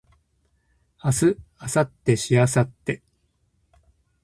明日明後日しあさって